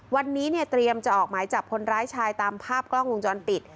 วันนี้เนี่ยเตรียมจะออกหมายจับคนร้ายชายตามภาพกล้องวงจรปิด